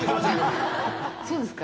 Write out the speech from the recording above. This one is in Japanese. そうですか？